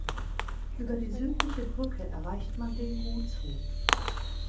Über die südliche Brücke erreicht man den Gutshof.